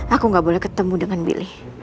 aku gak boleh ketemu dengan billy